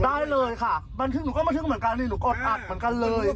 ได้เลยค่ะบันทึกหนูก็บันทึกเหมือนกันนี่หนูอดอัดเหมือนกันเลย